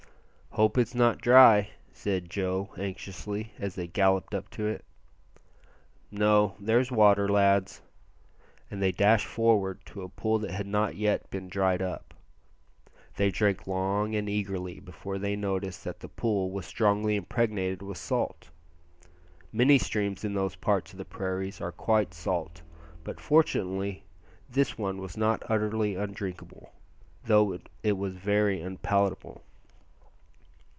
"Hope it's not dry," said Joe anxiously as they galloped up to it. "No, there's water, lads," and they dashed forward to a pool that had not yet been dried up. They drank long and eagerly before they noticed that the pool was strongly impregnated with salt. Many streams in those parts of the prairies are quite salt, but fortunately this one was not utterly undrinkable, though it was very unpalatable.